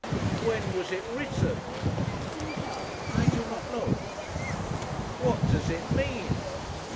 'When was it written?' 'I do not know.' 'What does it mean?'